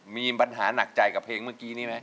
มีปัญหาหนักใจกับเพลงเมื่อกี้นี้ไหม